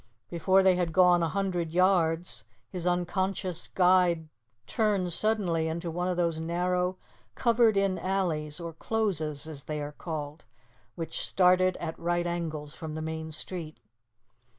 Before they had gone a hundred yards, his unconscious guide turned suddenly into one of those narrow covered in alleys, or closes, as they are called, which started at right angles from the main street.